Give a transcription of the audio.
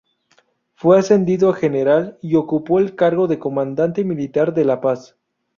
Fue ascendido a general y ocupó el cargo de comandante militar de La Paz.